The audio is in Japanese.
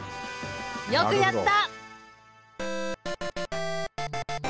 よくやった。